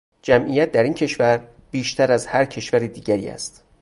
جمعیت در این کشور بیشتر از هر کشور دیگری است.